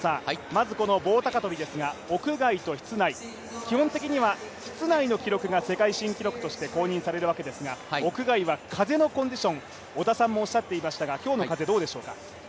まず棒高跳ですが屋外と室内、基本的には室内の記録が世界新記録として公認されるわけですが屋外は風のコンディション、織田さんもおっしゃっていましたが、今日の風、どうでしょうか。